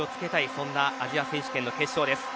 そんなアジア選手権の決勝です。